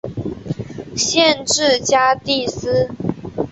县治加的斯。